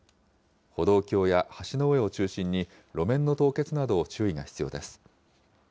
歩道橋や橋の上を中心に、路面の凍結など注意が必要です。